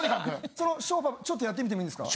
そのショーパブちょっとやってみてもいいですか？